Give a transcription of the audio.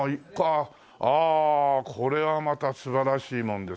ああこれはまた素晴らしいもんですね。